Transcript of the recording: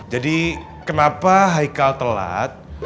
jadi kenapa aikal telat